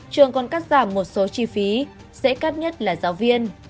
trường còn cắt giảm một số chi phí dễ cắt nhất là giáo viên